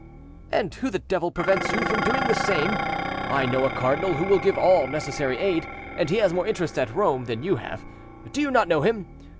"And who the devil prevents you from doing the same? I know a cardinal who will give all necessary aid, and he has more interest at Rome than you have; do you not know him?